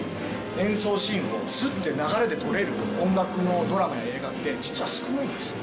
演奏シーンをスッて流れで撮れる音楽のドラマや映画って実は少ないんです。